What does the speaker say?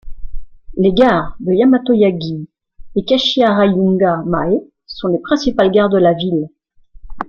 Les gares de Yamato-Yagi et Kashiharajingu-mae sont les principales gares de la ville.